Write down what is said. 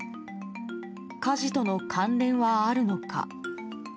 火事との関連はあるのか？